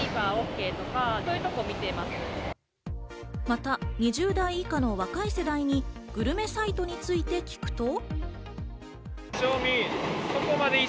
また２０代以下の若い世代にグルメサイトについて聞くと。